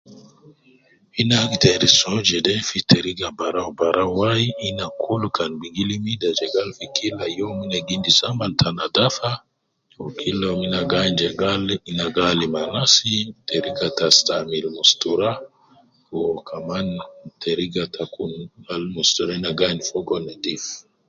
Ina agder soo jede fi teriga barau barau wai ina kulu kan gibi limu ida je gal fi kila youm ne gi endis zaman te nadafa wu kila youm negi ain jegal ina gi alim anas teriga te stamil mustura wu kaman teriga ta kun gal mustura nagi ain fogo nedif